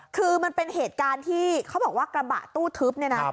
คือมันเป็นเหตุการณ์ที่เขาบอกว่ากระบะตู้ทึบเนี่ยนะ